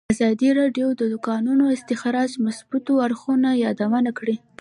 ازادي راډیو د د کانونو استخراج د مثبتو اړخونو یادونه کړې.